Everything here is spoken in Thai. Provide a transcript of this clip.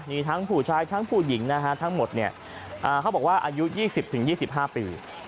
นี่ทั้งผู้ชายทั้งผู้หญิงนะฮะทั้งหมดเนี้ยอ่าเขาบอกว่าอายุยี่สิบถึงยี่สิบห้าปี